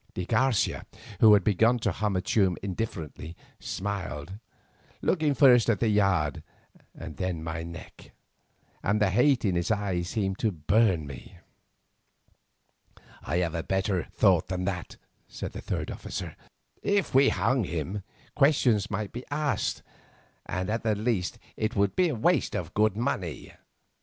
De Garcia, who had begun to hum a tune indifferently, smiled, looking first at the yard and then at my neck, and the hate in his eyes seemed to burn me. "I have a better thought than that," said the third officer. "If we hung him questions might be asked, and at the least, it would be a waste of good money.